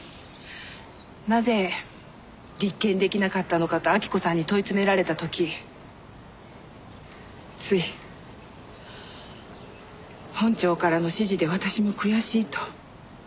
なぜ立件出来なかったのかと晃子さんに問い詰められた時つい本庁からの指示で私も悔しいと。